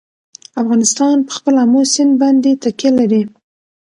افغانستان په خپل آمو سیند باندې تکیه لري.